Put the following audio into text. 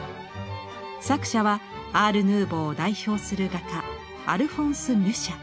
作者はアールヌーボーを代表する画家アルフォンス・ミュシャ。